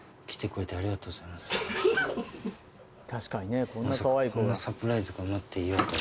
まさかこんなサプライズが待っていようとは。